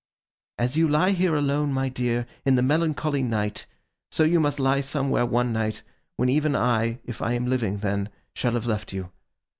'As you lie here alone, my dear, in the melancholy night, so you must lie somewhere one night, when even I, if I am living then, shall have left you.